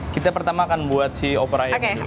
kita pertama akan buat si opor ayam dulu